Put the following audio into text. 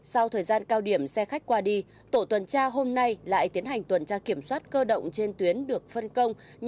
sau thời gian cao điểm xe khách qua đi tổ tuần tra hôm nay lại tiến hành tuần tra kiểm soát cơ động trên tuyến được phân công